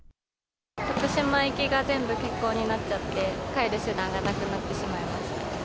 徳島行きが全部欠航になっちゃって、帰る手段がなくなってしまいました。